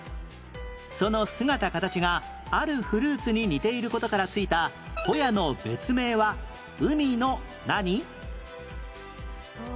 その姿形があるフルーツに似ている事から付いたほやの別名は海の何？